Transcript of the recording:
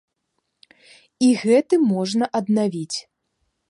І гэты можна аднавіць.